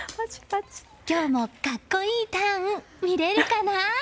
今日も格好いいターン見れるかな？